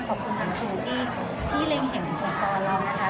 ขอบคุณมากทุกคนที่เรียกเห็นของตัวเรานะคะ